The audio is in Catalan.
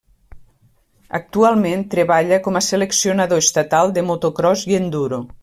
Actualment treballa com a seleccionador estatal de motocròs i enduro.